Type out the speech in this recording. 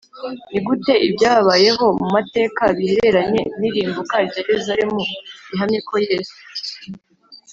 Ni gute ibyabayeho mu mateka bihereranye n irimbuka rya Yerusalemu bihamya ko Yesu